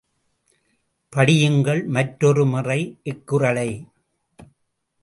படியுங்கள் மற்றொருமுறை இக்குறளை.